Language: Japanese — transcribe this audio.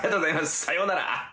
さようなら。